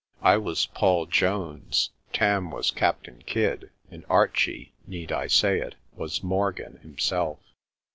I was Paul Jones, Tarn was Captain Kidd, and Archie, need I say it, was Morgan himself.